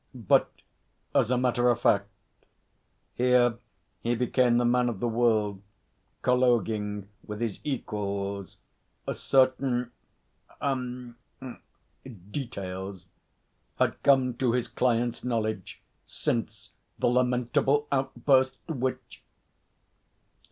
But, as a matter of fact here he became the man of the world colloguing with his equals certain er details had come to his client's knowledge since the lamentable outburst, which